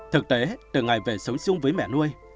thực tế từ ngày về sống chung với mẹ nuôi